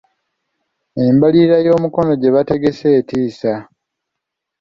Embalirira y’omukolo gye baategese etiisa.